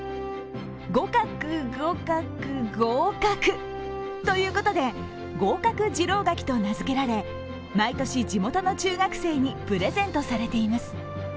五角五角合格！ということで合格次郎柿と名付けられ毎年、地元の中学生にプレゼントされています。